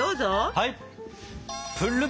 はい！